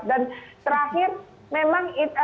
dan terakhir memang